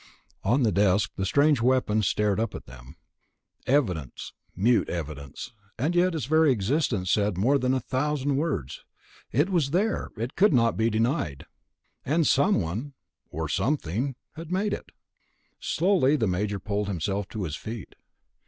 On the desk the strange weapon stared up at them. Evidence, mute evidence, and yet its very existence said more than a thousand words. It was there. It could not be denied. And someone ... or something ... had made it. Slowly the Major pulled himself to his feet.